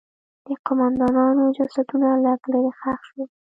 د قوماندانانو جسدونه لږ لرې ښخ شول.